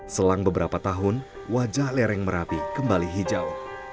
selang beberapa tahun wajah lereng merapi kembali hijau